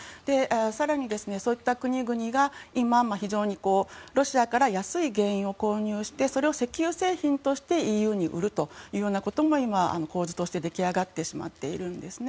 更にそういった国々が今非常にロシアから安い原油を購入してそれを石油製品としてＥＵに売るというようなことも今、構図として出来上がってしまっているんですね。